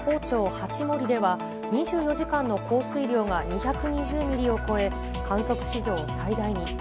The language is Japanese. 八森では、２４時間の降水量が２２０ミリを超え、観測史上最大に。